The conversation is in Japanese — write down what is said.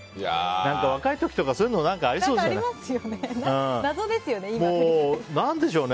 若い時とかそういうのありそうですよね。